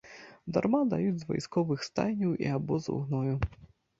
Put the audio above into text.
Дарма даюць з вайсковых стайняў і абозаў гною.